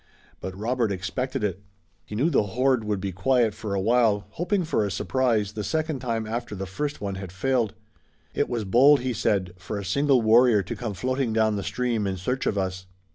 But Robert expected it. He knew the horde would be quiet for a while, hoping for a surprise the second time after the first one had failed. "It was bold," he said, "for a single warrior to come floating down the stream in search of us."